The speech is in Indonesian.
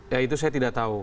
ya itu saya tidak tahu